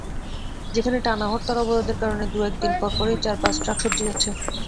সেখানে টানা হরতাল-অবরোধের কারণে দু-এক দিন পরপরই চার-পাঁচ ট্রাক সবজি যাচ্ছে।